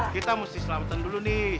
kita mesti selamatan dulu nih